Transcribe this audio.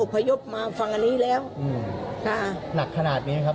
อพยพมาฝั่งนี้แล้วอืมค่ะหนักขนาดนี้ไหมครับ